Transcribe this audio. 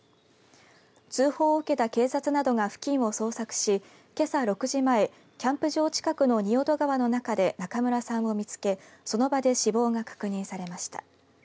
通報を受けた警察などが付近を捜索しけさ６時前キャンプ場近くの仁淀川の中で中村さんを見つけその場で死亡が確認されました。